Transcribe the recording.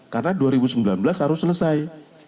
karena dua ribu sembilan belas harus selesai